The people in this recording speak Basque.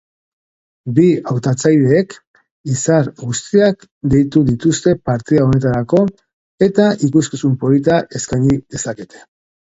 Bi hautatzaileek izar guztiak deitu dituzte partida honetarako eta ikuskizun polita eskaini dezakete.